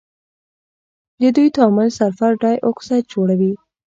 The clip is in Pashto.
د دوی تعامل سلفر ډای اکسايډ جوړوي.